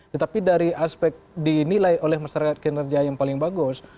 tetapi dari aspek dinilai oleh masyarakat kinerja yang paling bagus